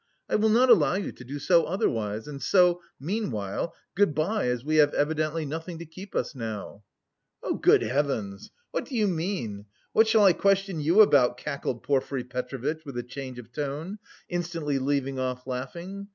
I will not allow you to do so otherwise, and so meanwhile, good bye, as we have evidently nothing to keep us now." "Good heavens! What do you mean? What shall I question you about?" cackled Porfiry Petrovitch with a change of tone, instantly leaving off laughing.